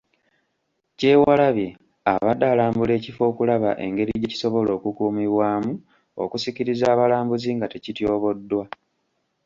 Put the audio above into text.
Kyewalabye, abadde alambula ekifo okulaba engeri gye kisobola okukuumibwamu okusikiriza abalambuzi nga tekityoboddwa.